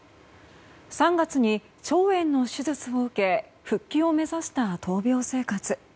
３月に腸炎の手術を受け復帰を目指した闘病生活。